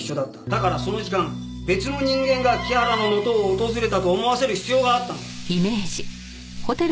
だからその時間別の人間が木原の元を訪れたと思わせる必要があったんだ。